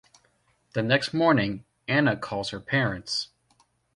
The next morning, Anna calls her parents.